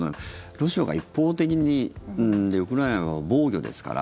ロシアが一方的にで、ウクライナが防御ですから。